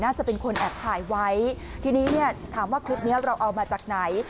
น่าจะเป็นคนแอบถ่ายไว้ทีนี้เนี่ยถามว่าคลิปนี้เราเอามาจากไหน